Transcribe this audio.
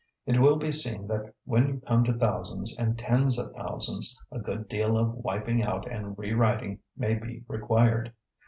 It will be seen that when you come to thousands and tens of thousands, a good deal of wiping out and re writing may be required.